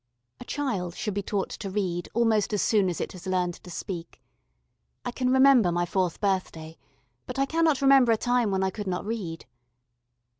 A child should be taught to read almost as soon as it has learned to speak. I can remember my fourth birthday, but I cannot remember a time when I could not read.